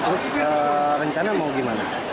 terus rencana mau gimana